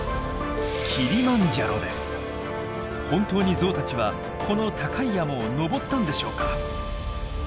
本当にゾウたちはこの高い山を登ったんでしょうか？